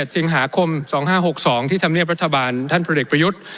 สิงหาคม๒๕๖๒ที่ธรรมเนียบรัฐบาลท่านพลเอกประยุทธ์